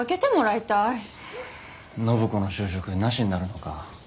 暢子の就職なしになるのか？